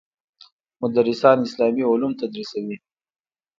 مدرسان اسلامي علوم تدریسوي.